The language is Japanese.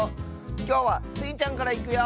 きょうはスイちゃんからいくよ！